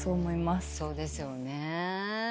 そうですよね。